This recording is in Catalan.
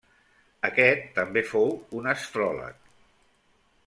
Aquest també fou un astròleg.